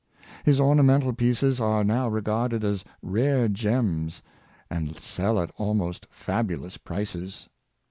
His ornamental pieces are now regarded as rare gems, and sell at almost fabulous prices.